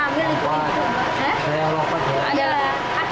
ada yang ambil itu itu